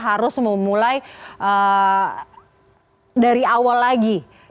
harus memulai dari awal lagi